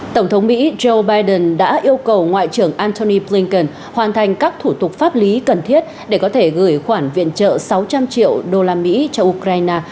tổng thống mỹ joe biden đã yêu cầu ngoại trưởng anthony blinken hoàn thành các thủ tục pháp lý cần thiết để có thể gửi khoản viện trợ sáu trăm linh triệu đô la mỹ cho ukraine